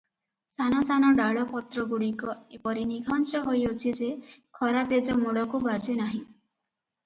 ସାନ ସାନ ଡାଳ ପତ୍ରଗୁଡିକ ଏପରି ନିଘଞ୍ଚ ହୋଇଅଛି ଯେ, ଖରା ତେଜ ମୂଳକୁ ବାଜେ ନାହିଁ ।